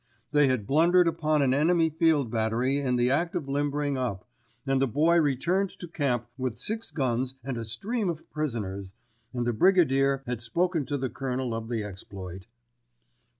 They had blundered upon an enemy field battery in the act of limbering up, and the Boy returned to camp with six guns and a stream of prisoners, and the Brigadier had spoken to the Colonel of the exploit.